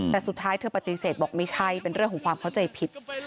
แต่สุดท้ายเธอปฏิเสธบอกไม่ใช่เป็นเรื่องของความเข้าใจผิด